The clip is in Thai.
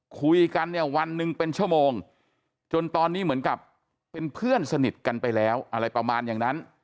คุยกันเนี่ยวันหนึ่งเป็นชั่วโมงจนตอนนี้เหมือนกับเป็นเพื่อนสนิทกันไปแล้วอะไรประมาณอย่างนั้น